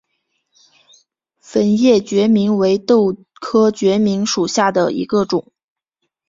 粉叶决明为豆科决明属下的一个种。